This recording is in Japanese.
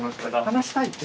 話したいって？